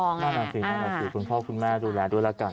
นั่นแหละสิคุณพ่อคุณแม่ดูแลด้วยแล้วกัน